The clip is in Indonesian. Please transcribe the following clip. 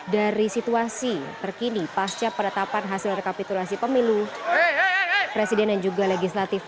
dari situasi terkini pasca peretapan hasil rekapitulasi pemilu presiden dan juga legislatif dua ribu sembilan belas